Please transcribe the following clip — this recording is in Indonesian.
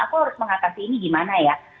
aku harus mengatasi ini gimana ya